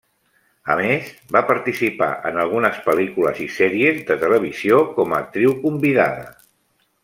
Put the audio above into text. A més, va participar en algunes pel·lícules i sèries de televisió com a actriu convidada.